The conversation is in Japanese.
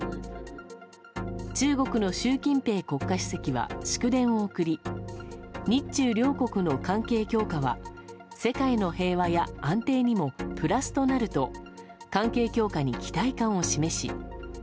中国の習近平国家主席は祝電を送り日中両国の関係強化は世界の平和や安定にもプラスとなると関係強化に期待感を示し